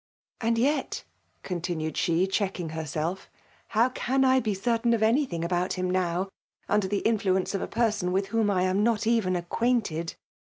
And yet," continued she, choclring herself ''how can I be certain of anything about him note, under the influence of a person with whom I am not even acquainted